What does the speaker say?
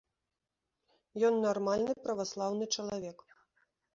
Ён нармальны праваслаўны чалавек.